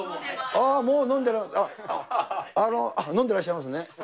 ああ、もう飲んでる、飲んでらっしゃいますね。